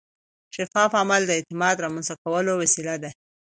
شفاف عمل د اعتماد رامنځته کولو وسیله ده.